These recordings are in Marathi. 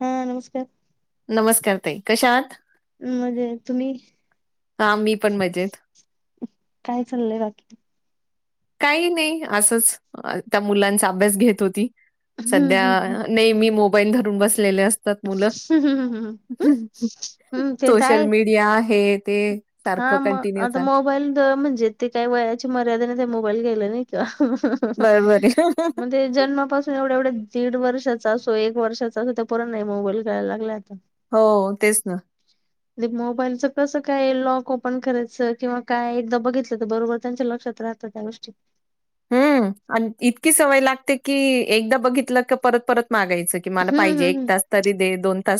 हा नमस्कार नमस्कार ताई. कशा आहात? म्हणजे तुम्ही. हां, मी पण मजेत. काय चाललंय बाकी. काही नाही असंच त्या मुलांचा अभ्यास घेत होती.. हम्म सध्या हम्म नाही मी मोबाईल धरून बसलेले असते. हम्म हम्म ते तर सोशल आहे मीडिया आहेत. हा मग आता मोबाईल म्हणजे ते काही वयाची मर्यादा नाही त्या मोबाईल घ्यायला नाही का. बरोबर आहे. म्हणजे जन्मापासून एवढ्या एवढ्या दीड वर्षात. असो एक वर्षाचा असो ते पोरांना नाही मोबाईल खेयला लागला आता. हो तेच ना. मोबाईलच कसं काय लॉक ओपन करायचं किंवा काय एकदा बघितलं तर बरोबर त्यांच्या लक्षात. राहत त्या गोष्टी. हम्म आणि इतकी सवय लागते की एकदा बघितलं क परत परत मागायचं. मला हम्म पाहिजे हम्म एक हम्म तास तरी दोन ता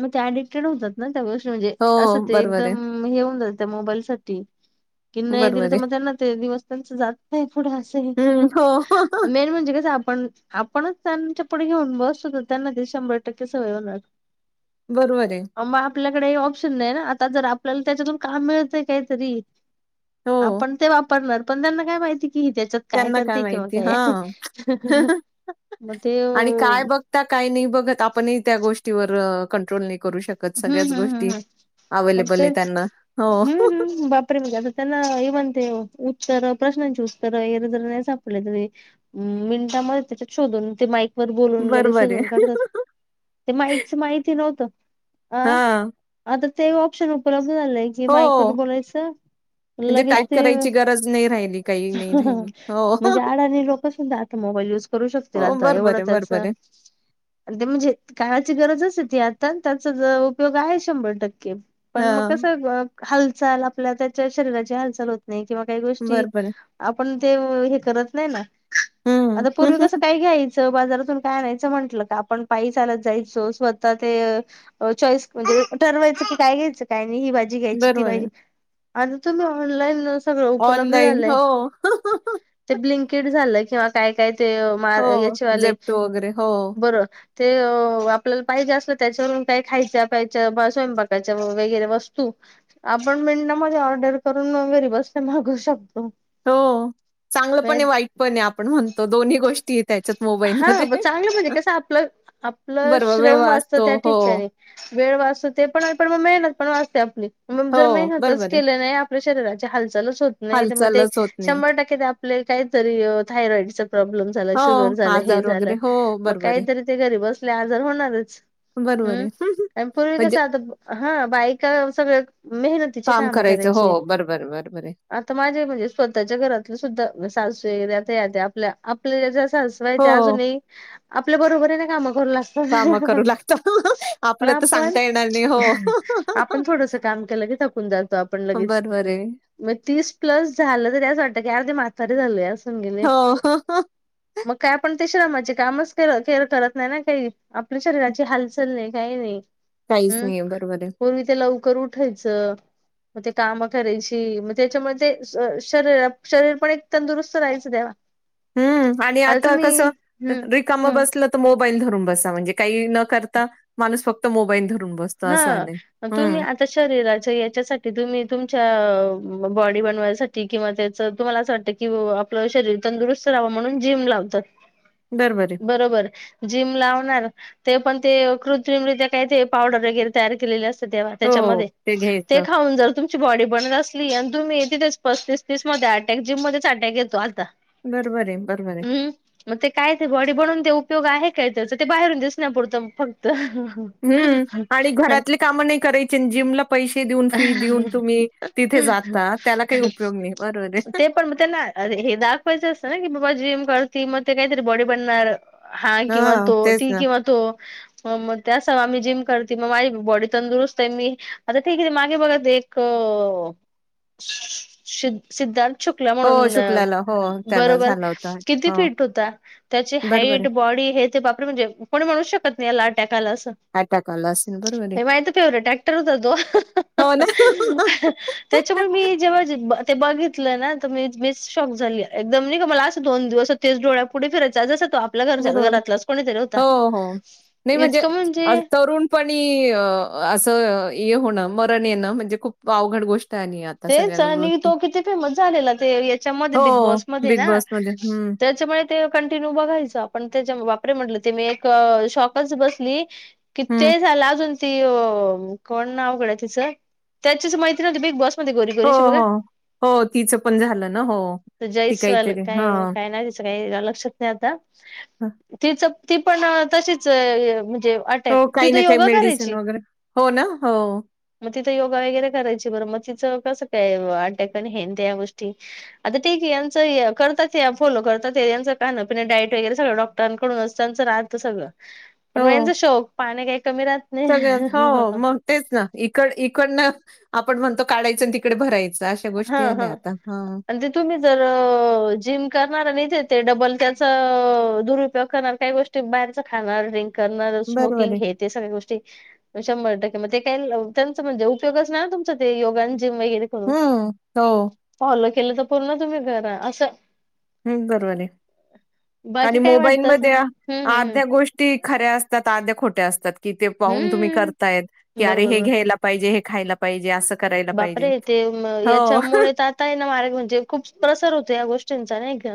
मग ते ऍडिक्टेड होतात ना त्या गोष्टी म्हणजे हो, असं ते बरोबर एकदम आहे. हे होऊन जात त्या मोबाईल साठी. कि नाही दिलं बरोबर तर आहे. मग त्यांना ते दिवस त्यांच जात नाही पुढं असं हं, हो. मेन म्हणजे का. आपण आपणच त्यांच्या पुढे घेऊन बसतो तर त्यांना ते शंभर टक्के स वय होणार. बरोबर आहे. मग आपल्याकडे ऑप्शन नाही ना आता जर आपल्याला त्याच्यातून काम मिळतं काहीतरी. हो, ा आपण ते वापरणार पण त्यांना काय माहिती. कि त्याच्यात काय त्यांना करते किंवा माहिती? काय हां. मग ते. काही नाही बघत आपण त्या गोष्टीवर कंट्रोल नाही करू शकत सगळ्याच गोष्टी. मे अवेलेबल आहे त्यांना. हो. हम्म हम्म बापरी मध्ये असता त्यांना येवणव. प्रश्नांची उत्तररे जरी नाही सापडले तरी मिनिटामध्ये त्याच्यात शोधून ते माई. वर बोलून लगे बरोबर आहे. शोधून काढतात ते माईकच माहिती नव्हतं. अ हां. आता ते ऑप्शन उपलब्ध झालंय की मायकून हो. बोलायचं. म्हणजे लगेच टाईप ते करायची गरज नाही राहिली, काही नाही राहिली. हो. म्हणजे आडाने लोक. Mobile use. ू शकतील हो, आता बरोबर एवढं आहे, त्याच बरोबर आहे. ते म्हणजे काळाची गरज असे ती आता. उपयोग आहे शंभर टक्के पण मग हां, कसं. हालचाल आपल्या त्याच्या शरीराची हालचाल होत नाही किंवा काही गोष्टी. बरोबर आहे. पण ते हे करत नाही ना हं. आता पूर्वी कसं काय घ्यायचं. बाजारातून काय नाहीच म्हटलं का आपण पायी चालत जायचो स्वतः ते. चॉईस म्हणजे ठरवायचं की काय घ्यायचं काय नाही ही भाजी घ्यायची ती बरोबर आहे. भाजी. आता तुम ऑनलाईन सगळं उपलब्ध ऑनलाईन हो. झालंय ते ब्ं. किट झालं किंवा काय काय ते म हो, याचेवाले वगैरे. हो, बरोर ते आपल्याला पाहिजे असलं त्याच्यावरून का खायच्या पय स्वयंपाकाच्या वगैरे वस्तू आपण मि ऑर्डर करून ंगरी बसते मागू शकतो. हो चांगलं पण म्हणजे वाईट पण आपण म्हणतो दोन्ही गोष्टी. त्याच्यात हा मोबाईलमध्ये. चांगलं म्हहिजे कस आपलं आपलं बरोबर वेव श्रम वाचत असतो. त्या हो, ठिकाणी वेळ वाचत ते पण पण मग मेहनत पण वाचते आपली मग हो, जर मेहनतच बरोबर आहे. केलं नाही आपल्या शरीराची हालचालच होत नाही तर मग ते हालचालच होत नाही. शंभर टक्के ते आपले काहीतरी थायरॉइडचा प्रॉब्लेम झाला हो, शुगर हे आजार वगैरे झालं हो, मग बरोबर आहे, काहीतरी ते घरी बसले आजार होणारच बरोबर हम्म आहे. आणि पूर्वी कस म्हणजे आता हा बाईका व्यव मेहनतीचे काम करायचं हो, करायचे बरोबर, बरोबर आहे. आता माझे म्हणजे स्वतःच्या घरातलं सुद्धा आपल्या आपल्या ज अज हो, आपल्या बरोबरी काम कामं करगत करू लागतात. पण आपलं तर आपण सांगता येणार नाही. हो. आपण थोडस काम केलं की ाकून जातातो आपण लगेच बरोबर आहे. मग तीस प्लस झालं तरी असं वाटतं की अर्दीी माथारी झाल हो का आपण ते श्रमाचे कामचअर करत नाही ना काही आपल्या शरीराची हालचाल नाही काही नाही काहीच हम्म नाहीये बरोबर आहे. पूर्वी ते लवकर उठायचं मग ते काम करायची मग त्याच्यामुळे ते शरीर शरीर पण एक तंदुरुस्त राहायचं तेव्हा हम्म आणि आता तुम्ही कस हम्म रिकाम हम्म बसलं तर मो ल धरून ब म्हणजे काही न करता माणूस फक्त मोईल धर हा तुम्ही आता शरीराच्या याच्यासाठी तुम्ही तुमच्या बॉडी बनवायसाठी किंवा त्याच तुम्हाला असं वाटत कि आपलं शरीर तंदुरुस्त म्हण जम ला बरोबर आहे. बबर जम ला ते पण ते कृत्रिमरित्या काय ते पावडर वगैरे तयार केलेले असते त्याच्या हो, मध्ये ते घ्यायचं. खाऊन जर तुमची बॉडी बनवून असली तुम्ही तिथेच पस्तीस तीस मध्ये अटॅक जिम मध्येच अटॅक येतो आता बरोबर आहे, बरोबर आहे. हम्म काय ते बॉडी बनवून उपयोग उपयोग आहे काय त्याचा ते बाहेरून दिसना पुरतं फक्त हं. आणि घरातली काम नाही करायची जिमला पैसे देऊन, फी देऊन तुम्ही हा तिथे जाता, त्याला काही उपयोग नाही. बरोबर आहे. ते पण त्याना आ ले हे दाखवायच असं ना की बाबा जेम करत ती मग ते काहीतरी बॉडी बनणार हा किंवा हां, तो तेच ती ना. किंवा तो मग त्या स आम्ही जिम करते मग माझी बॉडी तंदुरुस्त आहे मी आता ठीक आहे मागे बघत एक सिद्धांत चुकलं हो, म्हणून शुक्लाला. हो, त्याला बरोबर झाला होता अटॅक. किती हो, फिट होता त्याची बरोबर हाईट आहे. बॉडी हे ते बापरे म्हणजे कोन होऊ शकत नाही लाड अ अटॅक आला असेल. बरोबर आहे. माहित फेवरेट टॅक्टर होत तो हो ना. हा त्याच्यामुळे मी जेव्हा ते बघितलं ना तर मी बीच शॉक झाली एकदम नाही का मला असं दोन दिवस तेच डोळ्या पुढे फिरायचंं तो आपल्या घरच्या बरोबर. घरातलाच कोणीतरी होता हो, हो. नाही म्हणजे तरुणपणी असं हये होणं मरण येणं म्हणजे खूप अवघड गोष्टी आली आता सगळ्या तेच आणि तो किती फेमस झालेला ते याच्यामध्ये हो, बिग बॉसमध्येध्ये बिग ना बॉसमध्ये. हं, त्याच्यामुळे ते कंटिन्यू बघायच आपण त्याच्या बापरे म्हटलं ते मी एक शॉकच बसली किे हं. ते झाला अजून कि बोलण अवघड आहे तीच त्याचाशी मैत्री होती गोरी हो, गोरीची बघा हो. हो तिचं पण झालं ना हो तर ती जयस्वाल काहीतरी काय हां. काय नाही तिचं काही लक्षात नाही आता तिचं ती पण तशीच ते अटॅक हो, ति काही तर ना काही योगा मेडिसिन करायची वगैरे. हो ना. हो, म तिथ योगा वगैरे करायची बर म ति त कस काय अटॅक अन ह्या त्या गोष्टी आता ठीक यांच या करतात या फॉलो कर कसय ह्यांच खाण पिण डाईट वगैरे सगळ डॉक्टांकडूनच त्यांचं राहतं सगंळ. [inaudible] हो राहत नाही सगळच हो मग तेच ना इकड इकडन आपण म्हणतो काडायच आणि तिकडे भराय हा हा आणि ते तुम्ही जर जिम करणार आणि इथे ते डबल त्याच दुरुपयोग करणार, काही गोष्टी बाहेरच खाणार ड्रिंक करणारं बरोबर स्मोकिंग आहे. हे ते सगळ्या गोष्टी शंभर टक म ते काही [unintelligible] त्यांचा म्हणजे, उपयोगच नाही ना तुमच ते योगा आन जिम वगैरे करून. हं. हो. फॉलो केलं तर पूर्ण तुम्ही करा, असं हम्म बरोबर आहे. आणि बाकी काय मोबाईल वाटतं असं मध्ये हम्म हम्म अर्ध्या गोष्टी खऱ्या असतात, अर्ध्या खोट ते असतात कि ते पाऊन तुम्ही हम्म हम्म. करतायत की अरे बरोबर हे बरोबर घ्यायला पाहिजे, खायला पाहिजे असं करायला पाहिजे. बापरे ते म हो, याच्यामुळे तर आता आहे ना मार्ग म्हणजे खूप प्रसार होतो या गोष्टींच चा नाही का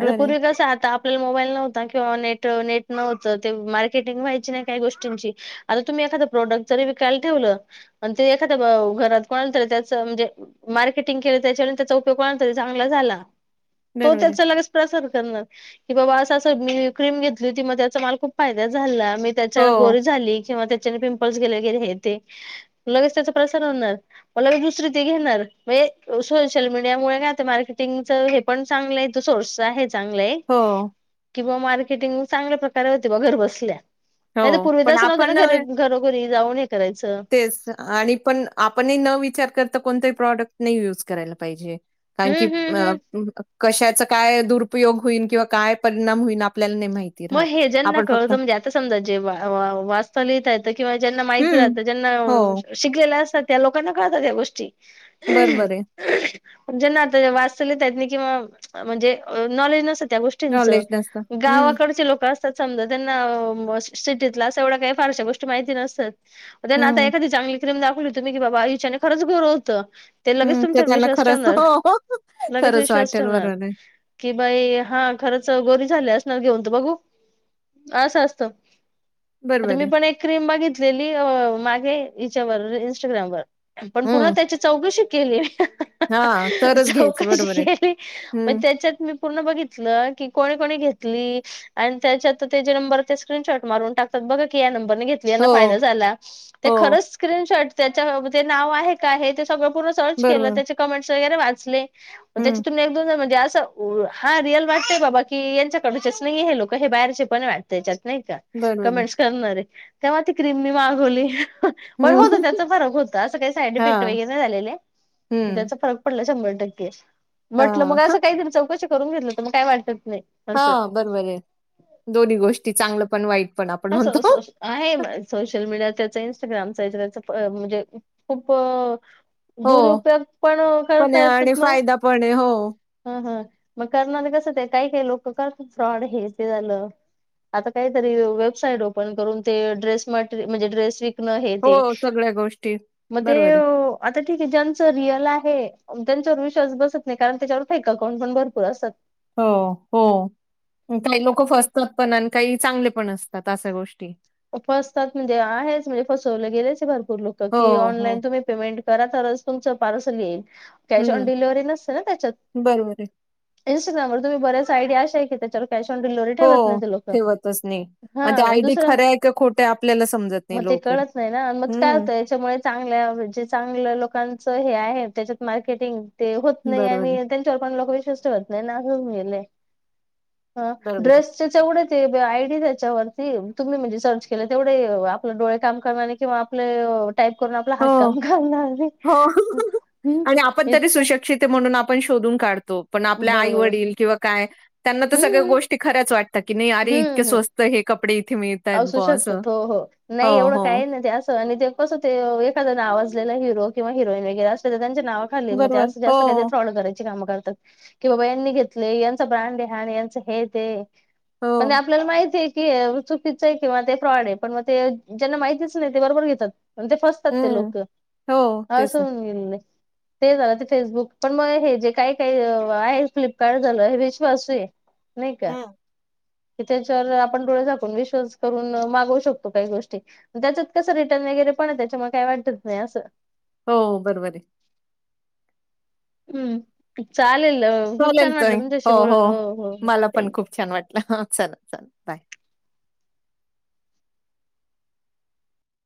आता आहे. पूर्वी कस आता आपल्याला मोबाईल नव्हता किंवा नेट ट नेट नव्हत ते मार्केटिंग व्हायची नाही काही गोष्टींची आता तुमी एखादा प्रोडक्ट जरी विकायला ठेवल अन ते एखाद [unintelligible] घरात कोणाला तरी त्याच म्हणजे मार्केटिंग केलं, त्याच्याने त्याचा उपयोग कोणाला तरी चांगला झाला. तो बरोबर आहे. त्याचा लगेच प्रसार करणार कि बाबा असं असं मी क्रीम घेतली होती, म त्याचा मला खूप फायदा झाला. मी त्याच्याने हो. गोरी झाली किंवा ते ज्याने पिंपल्स गेले, गेले हे ते लगेच त्याचा प्रसार होणार. म लगेच दुसरे ते घेणार मजे सोशल मडियामुळे नाही आता मार्केटंग च हे पण चांगल नाही तो सोर्स आहे चांगलय हो, किंवा मार्केटिंग चांगल्या प्रकारे होती बा घर बसल्या. नाहीतर हो. पूर्वी तर पण असं नव्हतं ना आपण अ, घर घरोघरी. जाऊन हे करायचं. तेच आणि पण आपणही न विचार करता कोणताही प्रॉडक्ट नाही युज करायला पाहिजे. कारण हम्म की न हम्म अ हम्म. कशाचा काय दुरुपयोग होईन किंवा काय परिणाम होईन आप म हे ज्यांना कळतं म्हणजे आता समजा जे अ अव व वाचता, लिहिता येतं किंवा ज्यांना माहिती हं. राहतं ज्यांना हो, शिकलेल्या असतात त्या लोकांना कळतात हया गोष्टी. बरोबरये. पण जेंना आता वाचता लिहीता येत नाही किंवा म्हणजे अ नॉलेज नस या गोष्टींचं नॉलेज नसतं. हं, गावाक असे लोक असतात समजा ज्यांना, सिटीतल असं एवढ्या काही फारश्या गोष्टी माहिती नसतात. त्यांना आता हं, एखादी चांगली क्रीम दाखवली तुम्ही, की बाबा याच्याने खरंच गोरं होतं ते लगेच हं. तर तुमच्यावर त्यांना विश्वास खरंच ठेवणार, हो, लगेच खरंच विश्वास वाटेल. ठेवणार बरोबर आहे. की बाई हा खरंच गोरी झाली असणार घेऊन तं बघू, असं असतं. आता बरोबर मी आहे. पण एक क्रीम बघितलेली अ मागे हिच्यावर इंस्टग्रामवर पण पुर्ण त्याची चौकशी केली. हा. चौकशी केली, मग त्याच्यात मी पूर्ण बघितलं की कोणी कोणी घेत तली अन त्याच्यात त तेच्या नंबरचा स्क्रिनशॉट मारून टाकतात बघा कि ह्या नम पणं घेतली यान हो, फायदा झाला, ते हो. खरच स्क्रिनशॉट त्याच्या अ ते नाव आहे का हे ते सगळ पूर्ण सर्च केलं बरोबर. त्याचे कमेंट्स वैगरे वाचले, म हं, त्याच्यातून एक दोन जण म्हणजे अस [unintelligible] हा रिअल वाटतंय बाबा, की यांच्याकडचेच नई हे लोक हे बाहेरचे पण आहे वाटतं यांच्यात. नाही का? बरोबर आहे. कमेंट्स करणारे, तेव्हा ती क्रीम मी मागवली. पण होतं हं. त्याचा फरक होता, असं काही साईड इफेक्ट हां. वैगरे नाही झालेले हं. त्याचा फरक पडला शंभर [unintelligible] म्हटलं मग हां. असं हं. काहीतरी चौकशी करून घेतलं, तर मग काय वाटत नाही असं हा बरोबरये. दोन्ही गोष्टी चांगलं पण वाईट पण आपण असो, असो, म्हणतो. असो आहे ना सोशल मीडियाचा त्याच [unintelligible] हो, दुरुउपयोग पण पण करता आहे आणि येतात ना. फायदा पण आहे. हो, हं हं! मग करणार कस ते काही-काही लोक करतात फ्रॉड हे ते झालं आता काहीतरी साईट ओपन करून ते ड्रेस मटेरियल म्हणजे ड्रेस ना हे ते हो, सगळ्या गोष्टी. मग ते बरोबर आहे. आता ठीक आहे, ज्यांचं रियल आहे त्यांच्यावर विश्वास बसत नाही, कारण त्याच्यावर फेक अकाउंट पण भरपूर असतात. हो, हो. काही लोकं फसतात पण आणि काही चांगले पण असतात अशा गोष्टी. फसतात म्हणजे आहेच म्हणजे फसवलं गेलेच भरपूर लोक, हो, की हो. ऑनलाईन तुम्ही पेमेंट करा तरच तुमचं पार्सल येईल. कॅश ऑन हं, डिलव्हरी नसते ना त्याच्यात. बरोबर आहे. इंस्टाग्रामवर तुम्ही बऱ्याच साईड या अशा आहे की, त्याच्यावर कॅश ऑन डिलिव्हरी ठेवत नाही हो, ही लोक ठेवतच नाही. आणि हा आयडी दुसरं खऱ्या आहे त्या खोट्या आपल्यालाच मग ते कळत नाही ना, मग काय होत याच्यामुळे चांगल्या म्हणजे चांगल्या लोकांच हे आहे त्याच्यात मार्केटिंग ते होत नाही, बरोबर आहे, आणि त्यांच्यावर पण लोक विश्वास ठेवत नाही ना हो नेलय, हं बरोबर आहे. ड्रेसचेच एव्हढे तेबी आयडीच त्याच्यावरती, तुम्ही म्हणजे केले तेवढे आपले डोळे काम करन्याने किंवा आपले टाईप करून आपला हात हो. काम करणार नाही. हो. हुम आणि आपण तरी इतकं सुशिक्षित आहे म्हणून आपण शोधून काढतो, पण आपल्या आई बरोबर वडील किंवा काय त्यांना तर सगळ्या हम्म गोष्टी खऱ्याच वाट आता की नाही, अरे इतके हम्म हम्म स्वस्त हे कपडे. मिळतायत असू बुवा असं. शकतात हो हो नाही, हो, एवढं हो. काय ना ते असं आणि ते कस ते एखादं नावजलेला हिरो किंवा हिरोईन वगैरे असे तर त्यां नावाखाली म्हजे बरोबर. जास्त जास्त काय, तर हो, फ्रॉड करायचं. करतात की बाबा यांनी घेतलय, यांच ब्रँड आणि यांच हे ते पण हो. आपल्याला माहितीय आहे की च किंवा ते फ्रॉड आहे, पण मग ते ज्यांना माहितीच नाही ते बरोबर घेतात. आणि ते फसतात ते हं. लोक हो, तेच असं ना. होऊन गेलेलं ये. ते झालं ते फेसबुक पण मग हे जे काय काय आहे फ्लिपकार्ट झालं हे विश्वासू ये. नाही का हं. त्याच्या वर जर आपण डोळे झाकून विश्वास मागू शकतो काही गोष्टी त्याच्यात कस रिटर्न वगैरे पण त्याच्या मुळ काय वाटत नाही असं. हो बरोबर आहे. हम चालेल खूप छान वाटलं तुमच्याशी बोलून हो हो हो. मला पण थँक्यू! खूप छान वाटलं. हां, चला, चला. बाय.